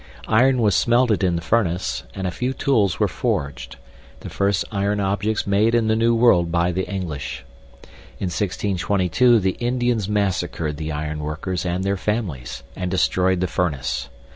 Iron was smelted in the furnace, and a few tools were forged the first iron objects made in the New World by the English. In 1622 the Indians massacred the ironworkers and their families, and destroyed the furnace.